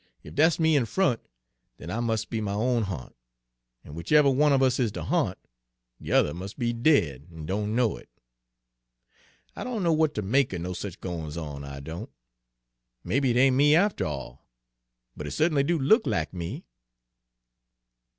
Ef dat's me in front, den I mus' be my own ha'nt; an' whichever one of us is de ha'nt, de yuther must be dead an' don' know it. I don' know what ter make er no sech gwines on, I don't. Maybe it ain' me after all, but it certainly do look lack me."